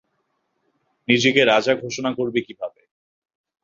নিজেকে রাজা ঘোষণা করবে কীভাবে?